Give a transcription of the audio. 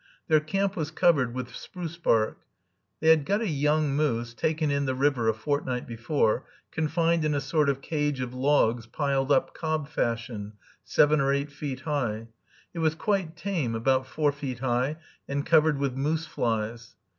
Their camp was covered with spruce bark. They had got a young moose, taken in the river a fortnight before, confined in a sort of cage of logs piled up cob fashion, seven or eight feet high. It was quite tame, about four feet high, and covered with moose flies.